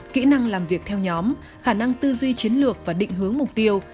kỹ năng làm việc theo nhóm khả năng tư duy chiến lược và định hướng mục tiêu